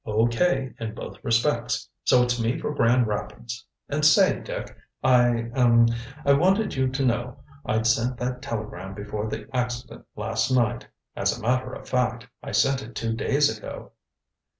"O.K. in both respects. So it's me for Grand Rapids. And say, Dick, I er I want you to know I'd sent that telegram before the accident last night. As a matter of fact, I sent it two days ago."